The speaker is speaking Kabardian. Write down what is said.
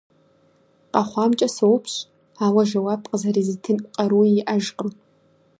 КъэхъуамкӀэ соупщӀ, ауэ жэуап къызэрызитын къаруи иӀэжкъым.